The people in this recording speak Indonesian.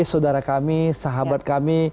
saudara kami sahabat kami